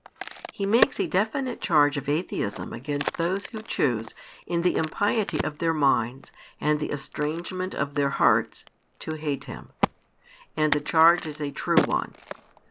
He makes a definite charge of atheism against those who choose, in the impiety of their minds and the estrangement of their hearts, to hate Him. And the charge is a true one.